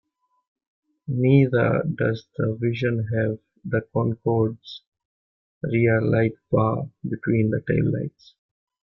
Neither does the Vision have the Concorde's rear lightbar between the taillights.